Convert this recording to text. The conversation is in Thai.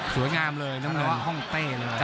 สวยงามเลยน้ำเงาะห้องเต้เลย